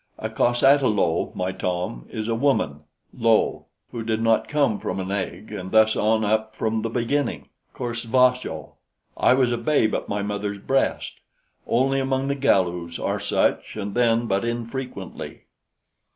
"A cos ata lo, my Tom, is a woman" (lo) "who did not come from an egg and thus on up from the beginning." (Cor sva jo.) "I was a babe at my mother's breast. Only among the Galus are such, and then but infrequently.